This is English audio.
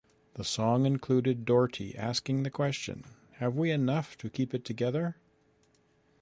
The song included Doherty asking the question: 'Have we enough to keep it together?